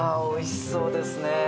おいしそうですね。